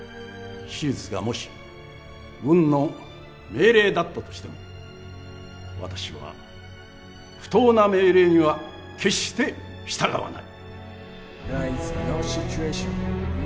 手術がもし軍の命令だったとしても私は不当な命令には決して従わない。